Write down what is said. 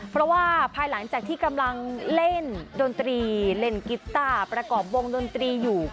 เพราะว่าภายหลังจากที่กำลังเล่นดนตรีเล่นกีต้าประกอบวงดนตรีอยู่